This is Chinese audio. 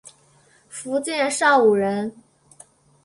福建邵武人。